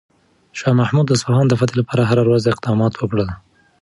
شاه محمود د اصفهان د فتح لپاره هره ورځ اقدامات وکړل.